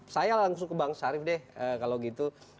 saya langsung ke bang syarif deh kalau gitu